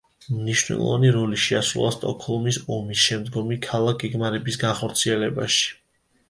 მნიშვნელოვანი როლი შეასრულა სტოკჰოლმის ომის შემდგომი ქალაქგეგმარების განხორციელებაში.